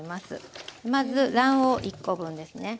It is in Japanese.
まず卵黄１コ分ですね。